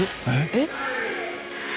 えっ？